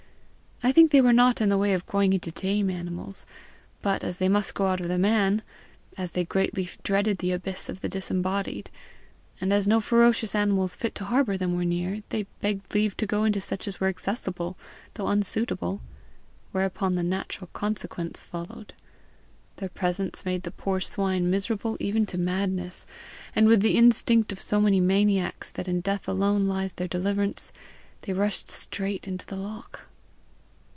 I think they were not in the way of going into tame animals; but, as they must go out of the man, as they greatly dreaded the abyss of the disembodied, and as no ferocious animals fit to harbour them were near, they begged leave to go into such as were accessible, though unsuitable; whereupon the natural consequence followed: their presence made the poor swine miserable even to madness, and with the instinct of so many maniacs that in death alone lies their deliverance, they rushed straight into the loch."